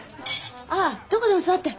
あどこでも座って。